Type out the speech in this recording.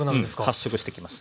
発色してきます。